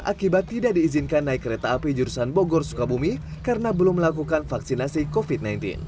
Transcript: akibat tidak diizinkan naik kereta api jurusan bogor sukabumi karena belum melakukan vaksinasi covid sembilan belas